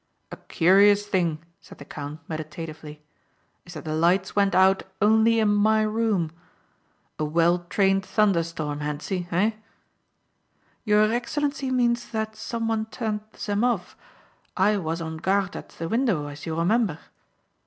"A curious thing," said the count meditatively, "is that the lights went out only in my room. A well trained thunder storm Hentzi, eh?" "Your excellence means that someone turned them off. I was on guard at the window as you remember."